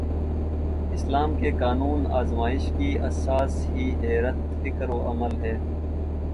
اسلام کے قانون آزمائش کی اساس ہی حریت فکر و عمل ہے۔